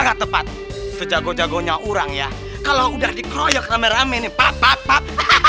agak tepat sejago jagonya orang ya kalau udah dikroyok rame rame nih pap pap pap